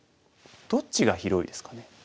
どっちが広いですかね？